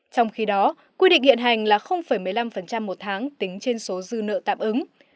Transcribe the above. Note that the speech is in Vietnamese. trong khi đó quy định hiện hành là một mươi năm một tháng tính trên số dư nợ tạm ứng